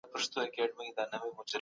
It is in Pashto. بدلونونه باید په ډینامیک ډول وسي.